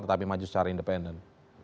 tetapi maju secara independen